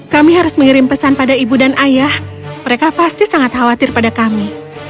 kami harus mengirim pesan pada ibu dan ayah mereka pasti sangat khawatir pada kami